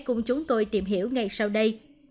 hãy cùng chúng tôi tìm hiểu ngay sau đây